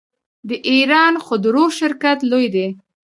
د ایران خودرو شرکت لوی دی.